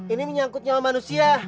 ini menyangkut nyawa manusia